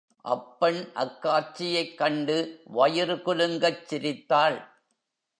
அப்பெண் அக் காட்சியைக் கண்டு வயிறு குலுங்கச் சிரித்தாள்.